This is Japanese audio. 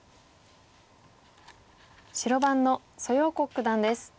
白番の蘇耀国九段です。